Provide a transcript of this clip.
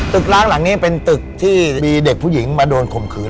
ล้างหลังนี้เป็นตึกที่มีเด็กผู้หญิงมาโดนข่มขืน